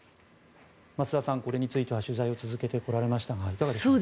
増田さん、これについては取材を続けてこられましたがいかがですか？